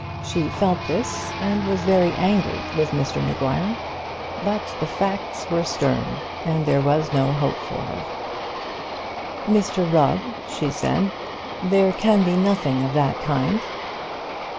She felt this, and was very angry with Mr Maguire. But the facts were stern, and there was no hope for her. "Mr Rubb," she said, "there can be nothing of that kind."